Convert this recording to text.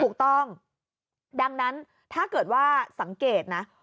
ถูกต้องดังนั้นถ้าเกิดว่าสังเกตนะ